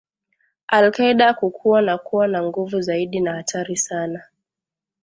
al Kaida kukua na kuwa na nguvu zaidi na hatari sana